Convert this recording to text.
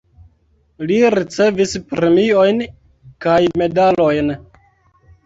Li ricevis premiojn kaj medalojn.